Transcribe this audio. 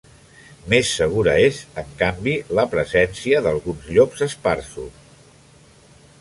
Més segura és, en canvi, la presència d'alguns llops esparsos.